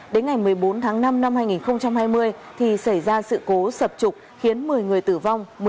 đến ngày một mươi bốn tháng năm năm hai nghìn hai mươi thì xảy ra sự cố sập trục khiến một mươi người tử vong